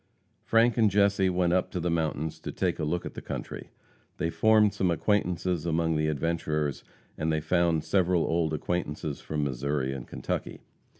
Frank and Jesse went up to the mountains to take a look at the country. They formed some acquaintances among the adventurers, and they found several old acquaintances from Missouri and Kentucky.